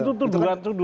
itu tuduhan serius